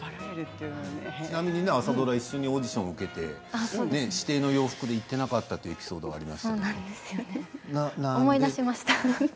ちなみに朝ドラ一緒にオーディションを受けて指定の洋服で行っていなかったと思い出しました。